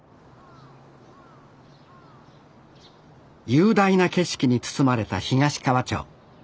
雄大な景色に包まれた東川町。